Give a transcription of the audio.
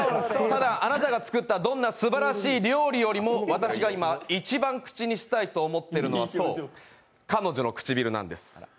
ただ、あなたが作ったどんなすばらしい料理よりも、私が今、一番口にしたいと思っているのがそう、彼女の唇なんです。